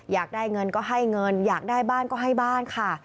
อยากได้เงินก็ให้เงินอยากได้บ้านก็ให้บ้านค่ะ